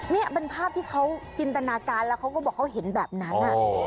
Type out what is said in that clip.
นี่เป็นภาพที่เขาจินตนาการแล้วเขาก็บอกเขาเห็นแบบนั้น